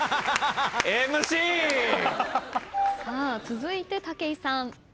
続いて武井さん。